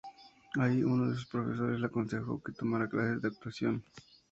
Ahí, uno de sus profesores le aconsejó que tomara clases de actuación.